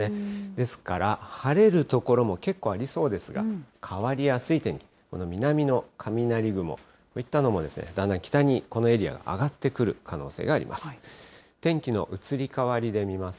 ですから晴れる所も結構ありそうですが、変わりやすい天気、この南の雷雲、こういったものもだんだん北にこのエリア、上がってくる可能性があります。